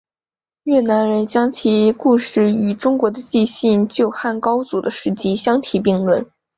越南人将其故事与中国的纪信救汉高祖的事迹相提并论。